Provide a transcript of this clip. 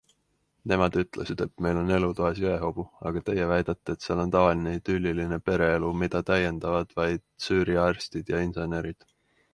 Nemad ütlesid, et meil on elutoas jõehobu, aga teie väidate, et seal on tavaline idülliline pereelu, mida täiendavad vaid Süüria arstid ja insenerid.